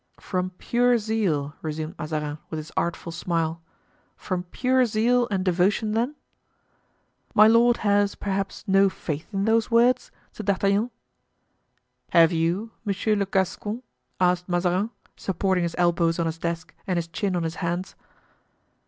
"From pure zeal?" resumed Mazarin, with his artful smile; "from pure zeal and devotion then?" "My lord has, perhaps, no faith in those words?" said D'Artagnan. "Have you, Monsieur le Gascon?" asked Mazarin, supporting his elbows on his desk and his chin on his hands.